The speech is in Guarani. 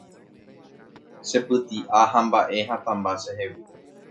che pyti'a ha mba'e hatãmba chehegui